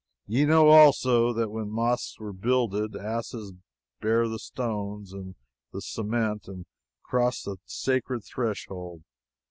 Ye know, also, that when mosques are builded, asses bear the stones and the cement, and cross the sacred threshold.